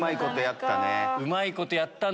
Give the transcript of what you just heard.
うまいことやったね。